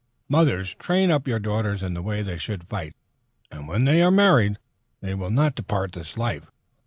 Mothers, train up your daughters in the way they should fight, and when they are married they will not depart this life.